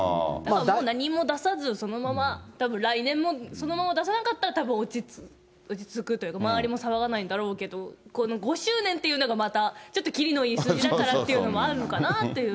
もう何も出さず、たぶん来年もそのまま出さなかったら、そのまま落ち着くというか、周りも騒がないんだろうけど、５周年というのがまた、ちょっと切りのいい数字だからっていうのもあるのかなっていう。